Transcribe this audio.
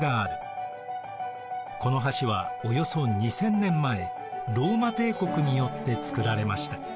この橋はおよそ２，０００年前ローマ帝国によって造られました。